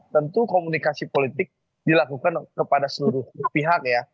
tentu komunikasi politik dilakukan kepada seluruh pihak ya